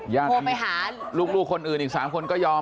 โทรไปหาลูกคนอื่นอีก๓คนก็ยอม